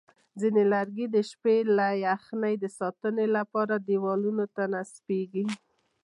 ځینې لرګي د شپې له یخنۍ ساتنې لپاره دیوالونو ته نصبېږي.